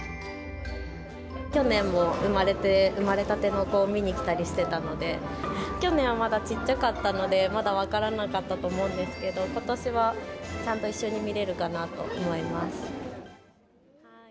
去年も生まれて、生まれたての子を見に来たりしてたので、去年はまだちっちゃかったので、まだ分からなかったと思うんですけど、ことしはちゃんと一緒に見れるかなと思います。